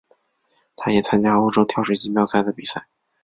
他也参加欧洲跳水锦标赛的比赛。